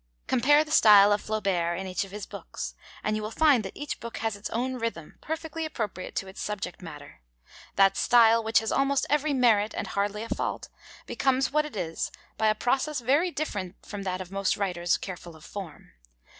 Compare the style of Flaubert in each of his books, and you will find that each book has its own rhythm, perfectly appropriate to its subject matter. That style, which has almost every merit and hardly a fault, becomes what it is by a process very different from that of most writers careful of form.